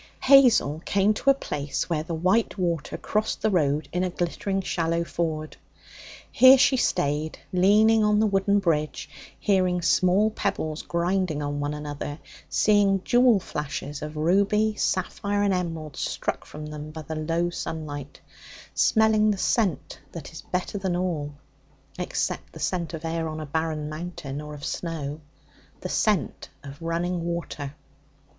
Hazel came to a place where the white water crossed the road in a glittering shallow ford. Here she stayed, leaning on the wooden bridge, hearing small pebbles grinding on one another; seeing jewel flashes of ruby, sapphire and emerald struck from them by the low sunlight; smelling the scent that is better than all (except the scent of air on a barren mountain, or of snow) the scent of running water.